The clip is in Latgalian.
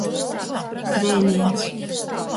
Veilīņs.